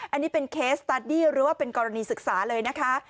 อันนี้เป็นเคสตาร์ดดี้หรือว่าเป็นกรณีศึกษาเลยนะคะ